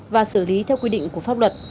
và xử lý theo quy định của pháp luật